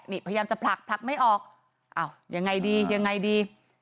นี่พยายามจะผลักผลักไม่ออกอ้าวยังไงดียังไงดี